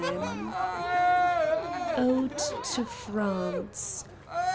76 ODE TO FRANCE.